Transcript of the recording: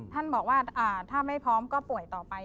ท่านบอกว่าถ้าไม่พร้อมก็ป่วยต่อไป